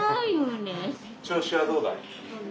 調子はどうだい？